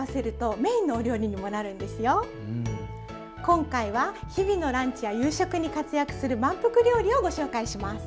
今回は日々のランチや夕食に活躍する満腹料理をご紹介します。